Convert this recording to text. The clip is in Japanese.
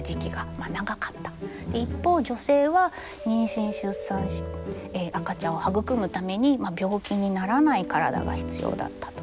一方女性は妊娠出産赤ちゃんを育むために病気にならない体が必要だったと。